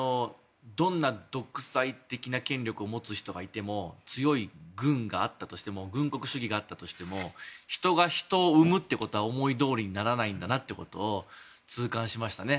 どんな独裁的な権力を持つ人がいても強い軍があったとしても軍国主義があったとしても人が人を産むということは思いどおりにならないんだなと痛感しました。